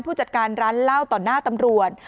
ผู้จัดการร้านเล่าต่อหน้าตำรวจ